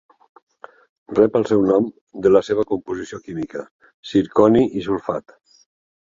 Rep el seu nom de la seva composició química: zirconi i sulfat.